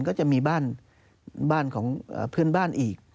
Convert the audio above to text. ก็จะมีบ้านของเพื่อนบ้านอีก